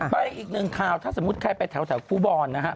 ไปอีกนึงข่าวถ้าสมมุติแค่แถวครุบรุษ